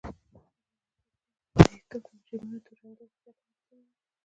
پر مریتوب د مجرمینو تورنېدو وضعیت هم بدلون وموند.